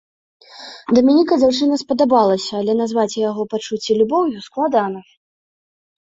Даменіка дзяўчына спадабалася, але назваць яго пачуцці любоўю складана.